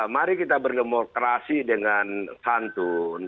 mari kita berdemokrasi dengan santun